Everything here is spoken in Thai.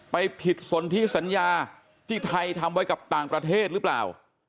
ไปผิดสนทิสัญญาที่ไทยทำไว้กับต่างประเทศหรือเปล่า